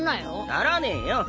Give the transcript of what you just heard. ならねえよ！